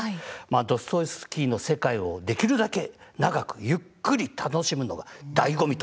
ドストエフスキーの世界をできるだけ、長くゆっくり楽しむのがだいご味と。